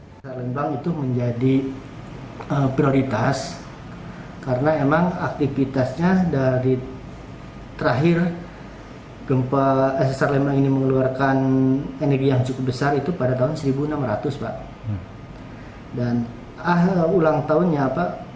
desa lembang itu menjadi prioritas karena emang aktivitasnya dari terakhir gempa sesar lembang ini mengeluarkan energi yang cukup besar itu pada tahun seribu enam ratus pak dan ulang tahunnya pak